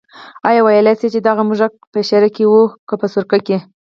آیا ویلای شې چې دغه موږک په شېره کې و که په سرکه کې.